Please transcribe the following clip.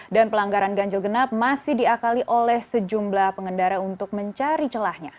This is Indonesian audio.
dan pelanggaran ganjil genap masih diakali oleh sejumlah pengendara untuk mencari celahnya